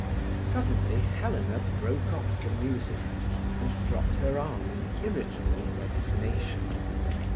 Suddenly Helena broke off the music, and dropped her arm in irritable resignation.